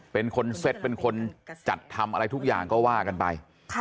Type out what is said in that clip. เป็นคนเซ็ตเป็นคนจัดทำอะไรทุกอย่างก็ว่ากันไป